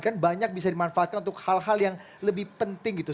kan banyak bisa dimanfaatkan untuk hal hal yang lebih penting gitu